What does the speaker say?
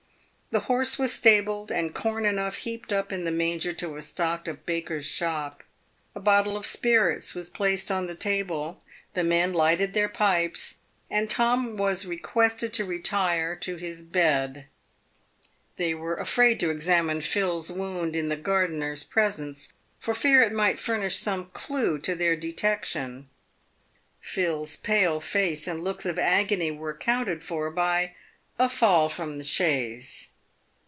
The horse was stabled, and corn enough heaped up in the manger to have stocked a baker's shop. A bottle of spirits was placed on the table, the men lighted their pipes, and Tom was requested to retire to his bed. They were afraid to examine Phil's wound in the gar dener's presence for fear it might furnish some clue to their detec tion. Phil's pale face and looks of agony were accounted for by " a fall from the chaise."